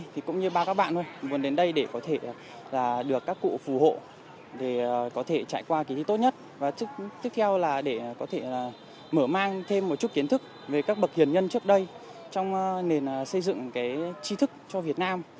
tiếp theo là để có thể mở mang thêm một chút kiến thức về các bậc hiền nhân trước đây trong nền xây dựng cái chi thức cho việt nam